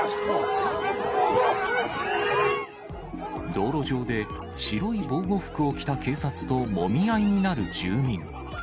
道路上で白い防護服を着た警察ともみ合いになる住民。